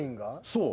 そう。